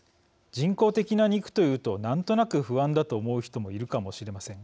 人工的な肉というとなんとなく不安だと思う人もいるかもしれません。